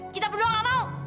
kita berdua gak mau